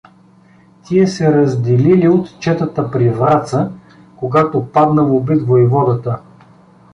Тия се разделили от четата при Враца, когато паднал убит войводата.